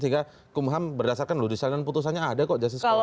sehingga kum ham berdasarkan disalinan putusannya ada kok justice collaborator